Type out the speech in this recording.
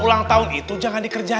ulang tahun itu jangan dikerja